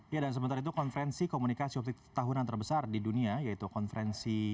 ya dan sementara itu konferensi komunikasi tahunan terbesar di dunia yaitu konferensi